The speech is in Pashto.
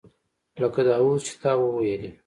لکه دا اوس چې تا وویلې.